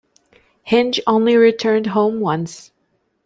Hinge only returned home once.